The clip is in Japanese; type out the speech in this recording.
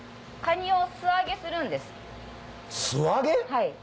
はい。